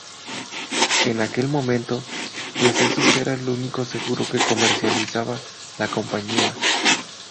En aquel momento decesos era el único seguro que comercializaba la compañía.